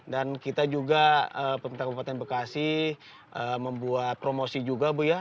dan kita juga pemintai kabupaten bekasi membuat promosi juga bu ya